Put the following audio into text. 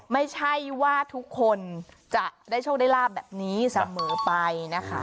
ไม่ใช่ว่าทุกคนจะได้โชคได้ลาบแบบนี้เสมอไปนะคะ